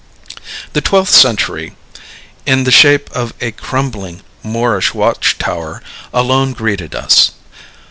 The twelfth century, in the shape of a crumbling Moorish watch tower, alone greeted us.